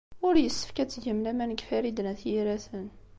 Ur yessefk ad tgem laman deg Farid n At Yiraten.